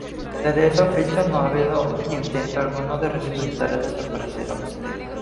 Desde esa fecha no ha habido intento alguno de resucitar el desaparecido partido.